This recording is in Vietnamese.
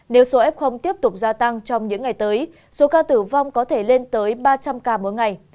nếu số f tiếp tục gia tăng trong những ngày tới số ca tử vong có thể lên tới ba trăm linh ca mỗi ngày